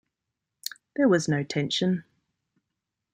There was no tension.